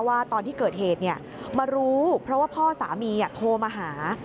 ว่าตอนที่เกิดเหตุมารู้เพราะว่าพ่อสามีโทรมาหา